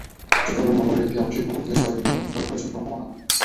চট্টগ্রাম নগরের একটি আবাসিক ভবন থেকে ছয়টি দোকান অপসারণ করেছেন ভ্রাম্যমাণ আদালত।